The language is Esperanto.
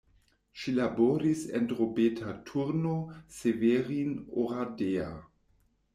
Ŝi laboris en Drobeta-Turnu Severin, Oradea.